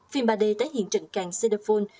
phim ba d tái hiện trận càng xê đa phôn